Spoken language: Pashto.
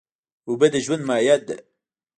اوبه د ژوند مایه ده.